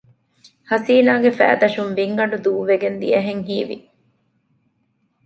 ހަސީނާގެ ފައިދަށުން ބިންގަނޑު ދޫވެގެން ދިޔަހެން ހީވި